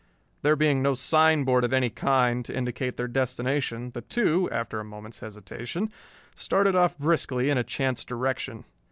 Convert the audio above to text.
There being no signboard of any kind to indicate their destination, the two, after a moment's hesitation, started off briskly in a chance direction.